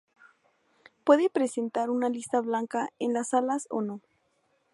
Puede presentar una lista blanca en las alas o no.